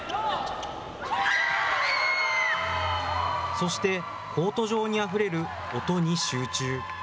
そして、コート上にあふれる音に集中。